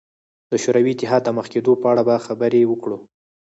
د شوروي اتحاد د مخ کېدو په اړه به خبرې وکړو.